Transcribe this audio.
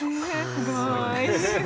すごい。